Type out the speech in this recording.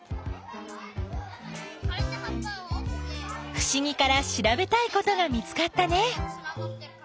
ふしぎからしらべたいことが見つかったね。